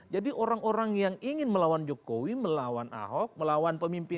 jadi orang orang yang ingin melawan jokowi melawan ahok melawan pemimpinnya